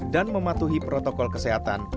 dan mematuhi protokol kesehatan